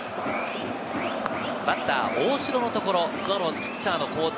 バッター・大城のところ、スワローズ、ピッチャーの交代。